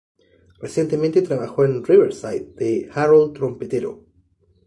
Recientemente trabajo en" Riverside" de Harold Trompetero.